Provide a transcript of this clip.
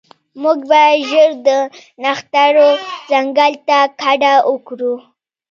موږ باید ژر د نښترو ځنګل ته کډه وکړو